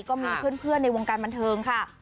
ก็มีเพื่อนในวงการบันเทิงค่ะ